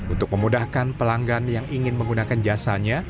untuk memudahkan pelanggan yang ingin menggunakan jasanya